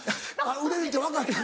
売れるって分かった？